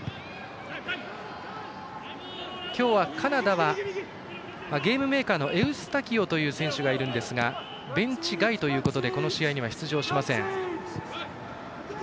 今日はカナダはゲームメーカーのエウスタキオという選手がいるんですがベンチ外ということでこの試合、出場しません。